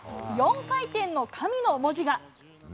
４回転の神の文字が。